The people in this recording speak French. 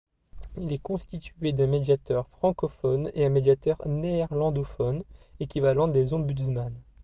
Il est constitué d'un médiateur francophone et un médiateur néerlandophone, équivalent des ombudsmans.